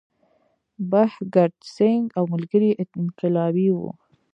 بهګت سینګ او ملګري یې انقلابي وو.